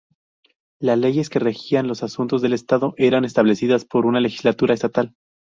Las leyes que regían los asuntos del estado eran establecidas por una legislatura estatal.